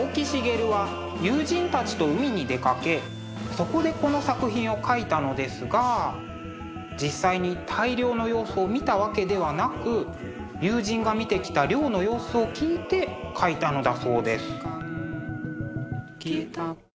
そこでこの作品を描いたのですが実際に大漁の様子を見たわけではなく友人が見てきた漁の様子を聞いて描いたのだそうです。